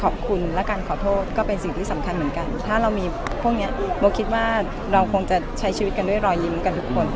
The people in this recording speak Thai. โบคิดว่าเราคงจะใช้ชีวิตกันด้วยรอยยิ้มกันทุกคน